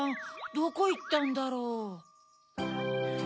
どこいったんだろう？